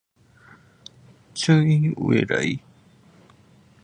初音未来